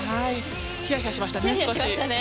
ひやひやしましたね、少し。